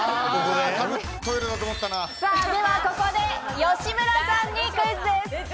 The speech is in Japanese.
ではここで吉村さんにクイズです。